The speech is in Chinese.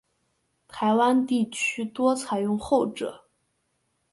台湾地区多采用后者。